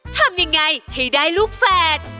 ทำยังไงให้ได้ลูกแฝด